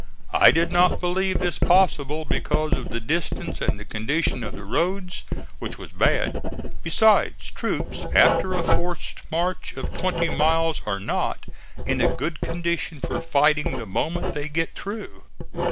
I did not believe this possible because of the distance and the condition of the roads, which was bad; besides, troops after a forced march of twenty miles are not in a good condition for fighting the moment they get through.